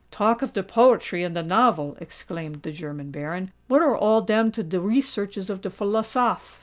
"Talk of de poetry and de novel," exclaimed the German Baron, "what are all dem to de researches of de philosoph?